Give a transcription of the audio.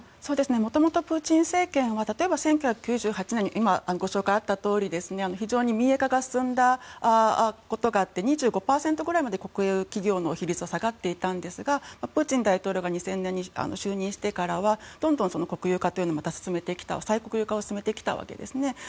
もともとプーチン政権は例えば１９９８年に今、ご紹介があったとおり非常に民営化が進んだこともあって２５％くらいまで国有企業の比率は下がっていたんですがプーチン大統領が２０００年に就任してからはどんどん再国有化を進めてきたわけです。